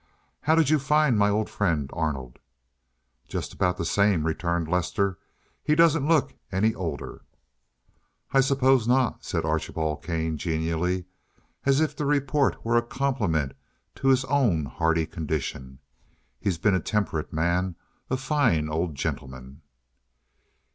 "How did you find my old friend Arnold?" "Just about the same," returned Lester. "He doesn't look any older." "I suppose not," said Archibald Kane genially, as if the report were a compliment to his own hardy condition. "He's been a temperate man. A fine old gentleman."